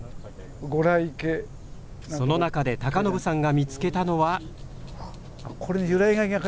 その中で高信さんが見つけたのは。